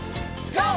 ＧＯ！